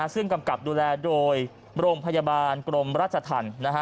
ซึ่งกำกับดูแลโดยโรงพยาบาลกรมราชธรรม